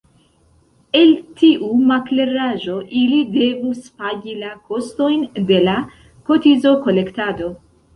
El tiu makleraĵo ili devus pagi la kostojn de la kotizokolektado.